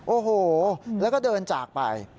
โอ้โหแล้วก็เดินจากไป